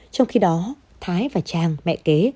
trong khi đó thái và trang mẹ kế